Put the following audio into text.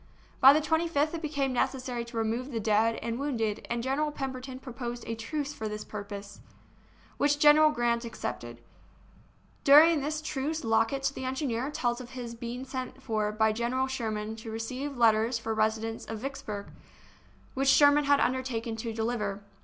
By the 25th it became necessary to remove the dead and wounded, and General Pemberton proposed a truce for this purpose, which General Grant accepted. THE SIEGE OF VICKSBURG During this truce Lockett, the engineer, tells of his being sent for by General Sherman to receive let ters for residents of Vicksburg, which Sherman had undertaken to deliver.